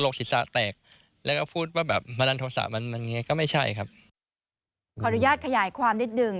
ขออนุญาตขยายความนิดหนึ่ง